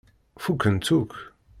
Fukken-tt akk.